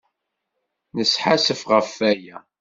Nesḥassef ɣef waya.